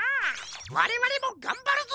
われわれもがんばるぞ！